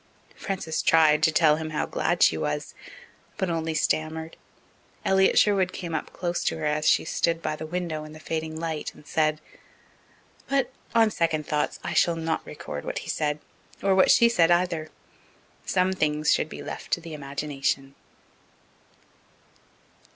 Frances tried to tell him how glad she was, but only stammered. Elliott Sherwood came close up to her as she stood by the window in the fading light, and said But on second thoughts I shall not record what he said or what she said either. Some things should be left to the imagination.